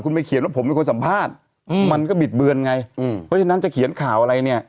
แล้วผมเป็นคนสัมภาษณ์มันก็บิดเบือนไงเพราะฉะนั้นจะเขียนข่าวอะไรเนี่ย